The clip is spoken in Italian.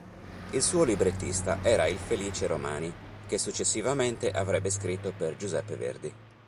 Il suo librettista era il Felice Romani che successivamente avrebbe scritto per Giuseppe Verdi.